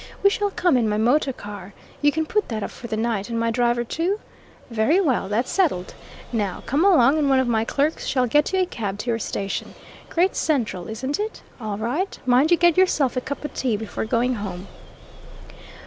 We shall come in my motorcar you can put that up for the night, and my driver too? Very well that's settled. Now, come along, and one of my clerks shall get you a cab to your station. Great Central, isn't it? All right mind you get yourself a cup of tea before going home."